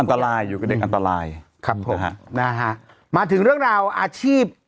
อันตรายอยู่กับเด็กอันตรายครับผมฮะนะฮะมาถึงเรื่องราวอาชีพ